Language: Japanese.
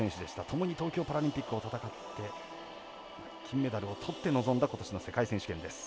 ともに東京パラリンピックを戦って金メダルをとって臨んだことしの世界選手権です。